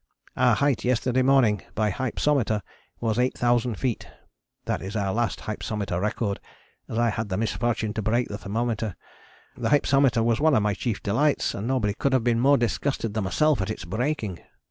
Our height yesterday morning by hypsometer was 8000 feet. That is our last hypsometer record, as I had the misfortune to break the thermometer. The hypsometer was one of my chief delights, and nobody could have been more disgusted than myself at its breaking.